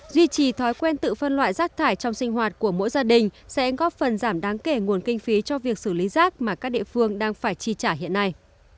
duy trì thói quen tự phân loại rác thải trong sinh hoạt của mỗi gia đình sẽ góp phần giảm đáng kể nguồn kinh phí cho việc xử lý rác mà các địa phương đang phải chi trả hiện nay